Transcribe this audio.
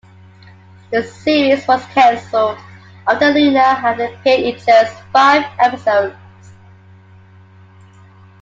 The series was cancelled after Luner had appeared in just five episodes.